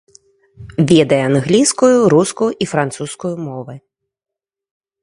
Ведае англійскую, рускую і французскую мовы.